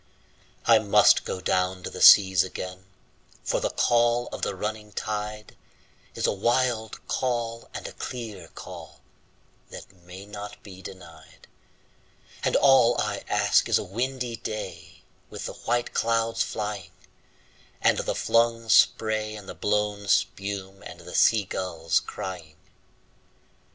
I must down go to the seas again, for the call of the running tide Is a wild call and a clear call that may not be denied; And all I ask is a windy day with the white clouds flying, And the flung spray and the blown spume, and the sea gulls crying.